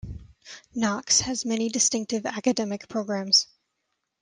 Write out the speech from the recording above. Knox has many distinctive academic programs.